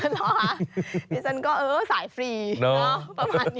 เหรอดิฉันก็เออสายฟรีประมาณนี้